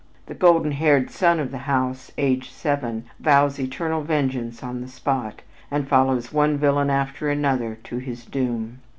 The golden haired son of the house, aged seven, vows eternal vengeance on the spot, and follows one villain after another to his doom.